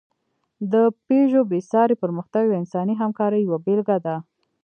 د پيژو بېساری پرمختګ د انساني همکارۍ یوه بېلګه ده.